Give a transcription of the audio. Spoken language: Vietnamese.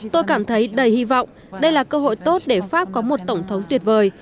tôi cảm thấy đầy hy vọng đây là cơ hội tốt để pháp có một tổng thống tuyệt vời